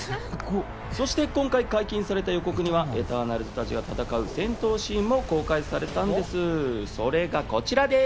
そして今回解禁された予告にはエターナルズたちが戦う戦闘シーンも公開されたんです。